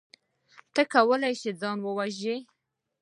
ته کولی شې ځان وژغورې.